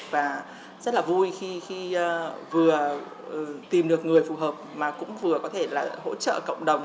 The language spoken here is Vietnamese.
và rất là vui khi vừa tìm được người phù hợp mà cũng vừa có thể là hỗ trợ cộng đồng